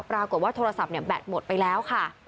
ปรากฏว่าโทรศัพท์แบตหมดไปแล้วค่ะ